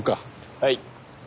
はい。